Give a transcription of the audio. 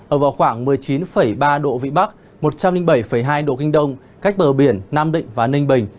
ở vào khoảng một mươi chín ba độ vĩ bắc một trăm linh bảy hai độ kinh đông cách bờ biển nam định và ninh bình